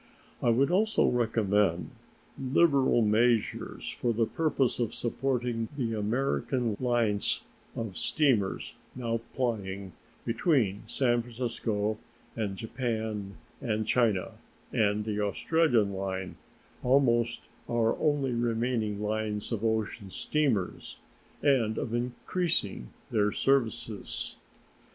I would also recommend liberal measures for the purpose of supporting the American lines of steamers now plying between San Francisco and Japan and China, and the Australian line almost our only remaining lines of ocean steamers and of increasing their services.